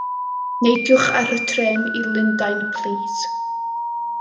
Neidiwch ar y trên i Lundain, plîs.